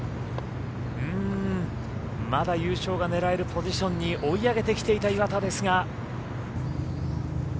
まだ優勝が狙えるポジションに追い上げてきていた岩田ですが。